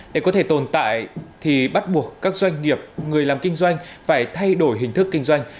để có thể tồn tại thì bắt buộc các doanh nghiệp người làm kinh doanh phải thay đổi hình thức kinh doanh